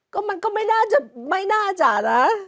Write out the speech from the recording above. ก็มันก็ไม่น่าจะไม่น่าจะนะ